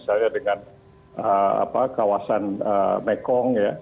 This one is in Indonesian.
misalnya dengan kawasan mekong